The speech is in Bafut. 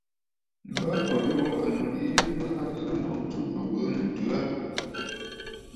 M̀bə ò yuʼù ànnù yìi mə à ghɨ̀rə ǹnǒŋ ɨtû jo ɨ bɨɨnə̀ ǹtəə.